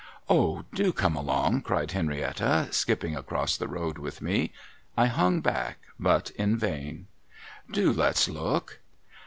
' Oh, do come along !' cried Henrietta, skipping across the road with me. I hung back, but in vain. ' Do let's look